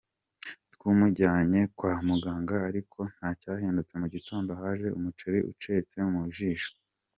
Twamujyanye kwa muganga ariko nta cyahindutse mu gitondo haje umuceri utetse mu jisho.